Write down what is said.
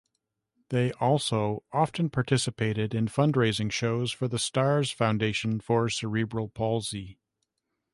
They also often participated in fundraising shows for the Stars Foundation for Cerebral Palsy.